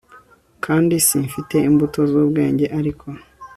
Kandi simfite imbuto zubwenge ariko